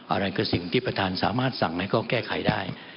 อะไรคือสิ่งที่ประธานสามารถสั่งให้ก็แก้ไขได้